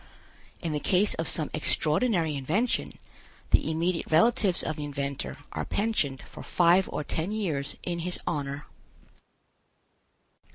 In the case of some extraordinary invention, the immediate relatives of the inventor are pensioned for five or ten years in his honor.